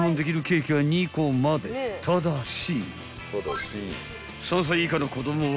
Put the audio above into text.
［ただし］